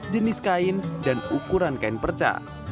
jenis kain dan ukuran kain perca